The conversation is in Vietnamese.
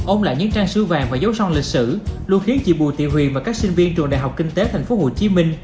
ôm lại những trang sư vàng và dấu son lịch sử luôn khiến chị bùi thị huyền và các sinh viên trường đại học kinh tế tp hcm